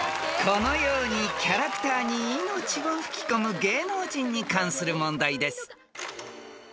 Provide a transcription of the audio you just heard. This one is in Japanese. ［このようにキャラクターに命を吹き込む芸能人に関する問題です］